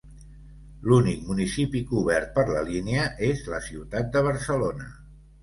L'únic municipi cobert per la línia és la ciutat de Barcelona.